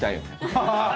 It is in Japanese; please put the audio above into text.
ハハハハ！